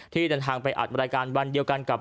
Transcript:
ที่เดินทางไปอัดรายการวันเดียวกันกับ